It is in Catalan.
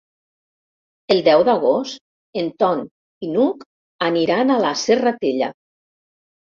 El deu d'agost en Ton i n'Hug aniran a la Serratella.